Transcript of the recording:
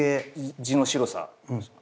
地の白さなんすか。